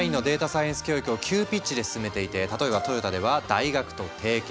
サイエンス教育を急ピッチで進めていて例えばトヨタでは大学と提携。